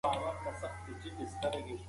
خاموشي د ملا بانګ په کوټه کې خپره ده.